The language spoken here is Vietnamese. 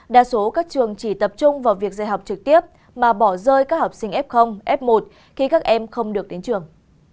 đa số các trường chỉ tập trung vào việc dạy học trực tiếp mà bỏ rơi các học sinh f f một khi các em không được đến trường